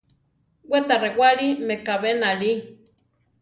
We ta rewáli mekabé náli.